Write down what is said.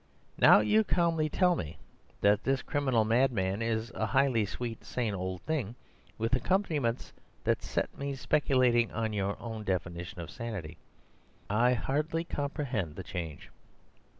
Now you calmly tell me that this criminal madman is a highly sweet and sane old thing, with accompaniments that set me speculating on your own definition of sanity. I hardly comprehend the change."